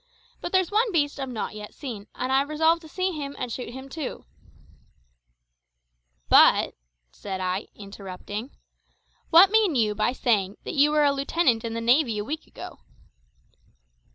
But there's one beast I've not yet seen, and I'm resolved to see him and shoot him too " "But," said I, interrupting, "what mean you by saying that you were a lieutenant in the navy a week ago?"